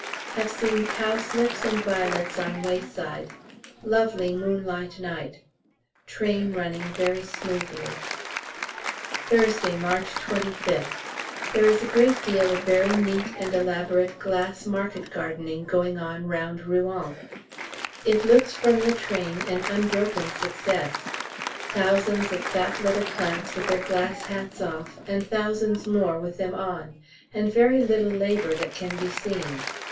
Have seen cowslips and violets on wayside. Lovely moonlight night. Train running very smoothly. Thursday, March 25th. There is a great deal of very neat and elaborate glass market gardening going on round Rouen: it looks from the train an unbroken success; thousands of fat little plants with their glass hats off and thousands more with them on, and very little labour that can be seen.